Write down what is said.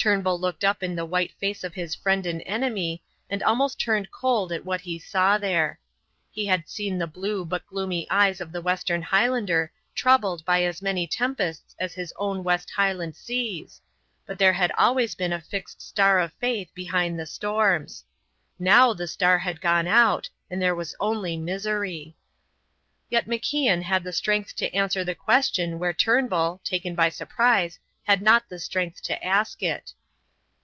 Turnbull looked up in the white face of his friend and enemy, and almost turned cold at what he saw there. He had seen the blue but gloomy eyes of the western Highlander troubled by as many tempests as his own west Highland seas, but there had always been a fixed star of faith behind the storms. Now the star had gone out, and there was only misery. Yet MacIan had the strength to answer the question where Turnbull, taken by surprise, had not the strength to ask it.